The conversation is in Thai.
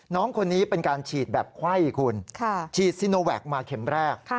น้องคนนี้เป็นการฉีดแบบไข้คุณฉีดซีโนแวคมาเข็มแรก